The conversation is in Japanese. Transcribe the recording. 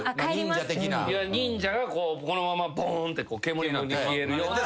忍者がこのままボンッて煙になって消えるような。